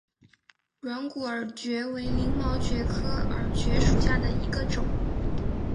软骨耳蕨为鳞毛蕨科耳蕨属下的一个种。